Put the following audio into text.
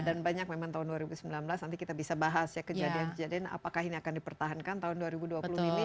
dan banyak memang tahun dua ribu sembilan belas nanti kita bisa bahas ya kejadian kejadian apakah ini akan dipertahankan tahun dua ribu dua puluh ini